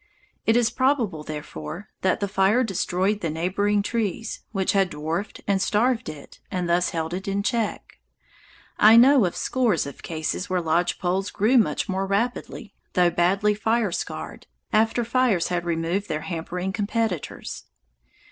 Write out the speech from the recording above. It is probable, therefore, that the fire destroyed the neighboring trees, which had dwarfed and starved it and thus held it in check. I know of scores of cases where lodge poles grew much more rapidly, though badly fire scarred, after fires had removed their hampering competitors.